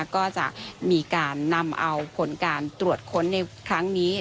ก็จะมีการนำเอาผลการตรวจค้นในครั้งนี้